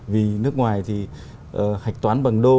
vì nước ngoài thì hạch toán bằng đô